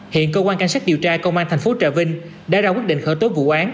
hiện cơ quan cảnh sát điều tra công an thành phố trà vinh đã ra quyết định khởi tố vụ án